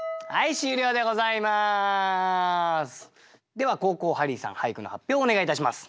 では後攻ハリーさん俳句の発表をお願いいたします。